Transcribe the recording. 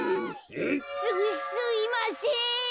すすいません。